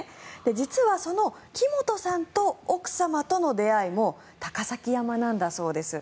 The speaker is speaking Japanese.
実はその木本さんと奥様との出会いも高崎山なんだそうです。